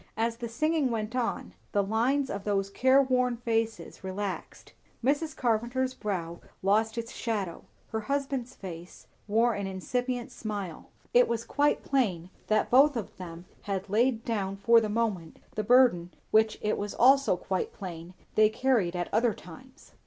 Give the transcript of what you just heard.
As the singing went on, the lines of those careworn faces relaxed; Mrs. Carpenter's brow lost its shadow, her husband's face wore an incipient smile; it was quite plain that both of them had laid down for the moment the burden which it was also quite plain they carried at other times.